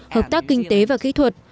hợp tác kinh tế và kỹ thuật